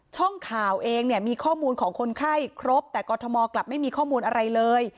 ช่องข่าวเองเนี่ยมีข้อมูลของคนไข้ครบแต่กรทมกลับไม่มีข้อมูลอะไรเลย